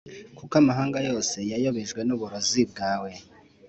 kuko amahanga yose yayobejwe n’uburozi bwawe.